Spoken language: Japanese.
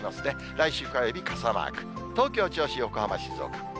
来週火曜日傘マーク、東京、銚子、横浜、静岡。